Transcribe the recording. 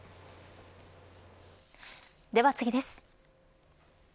では次です。